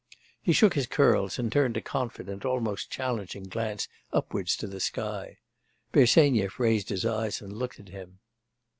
He shook his curls, and turned a confident almost challenging glance upwards to the sky. Bersenyev raised his eyes and looked at him.